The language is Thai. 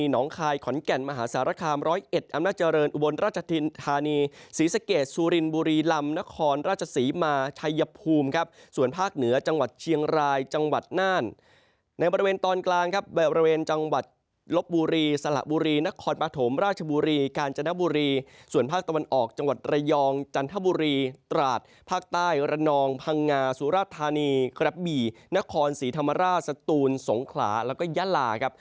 ในบริเวณตอนกลางครับในบริเวณจังหวัดลบบุรีสละบุรีนครปฐมราชบุรีกาญจนบุรีส่วนภาคตะวันออกจังหวัดระยองจันทบุรีตราสภาคใต้ระนองพังงาสุรทานีครับบี่นครสีธรรมราชสตูนสงขลาแล้วก็ยาลาครับ